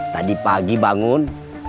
tadi pagi bangun